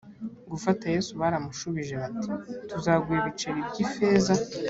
gufata yesu baramushubije bati tuzaguha ibiceri byi ifeza